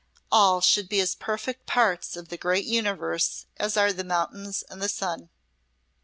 All should be as perfect parts of the great universe as are the mountains and the sun."